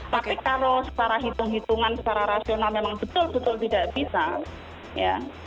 tapi kalau secara hitung hitungan secara rasional memang betul betul tidak bisa ya